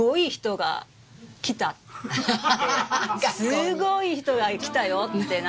すごい人が来たよってなって。